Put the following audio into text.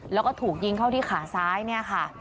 แล้วก็ถูกยิงเข้าที่ขาซ้ายเนี่ยค่ะ